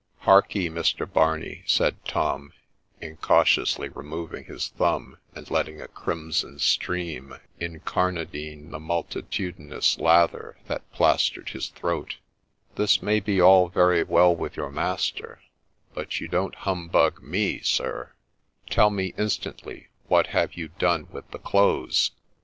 ' Hark'ee ! Mr. Barney,' said Tom, incautiously removing his thumb, and letting a crimson stream ' incarnadine the multi tudinous ' lather that plastered his throat, —' this may be all very well with your master, but you don't humbug me, sir :— tell me instantly what have you done with the clothes